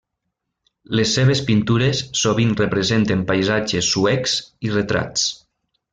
Les seves pintures sovint representen paisatges suecs i retrats.